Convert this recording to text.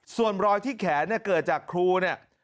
ส่วนรอยที่แขนเนี่ยเกิดจากครูเนี่ย